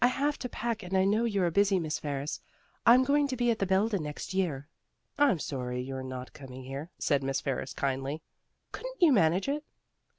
"I have to pack and I know you are busy. Miss Ferris, I'm going to be at the Belden next year." "I'm sorry you're not coming here," said Miss Ferris kindly. "Couldn't you manage it?"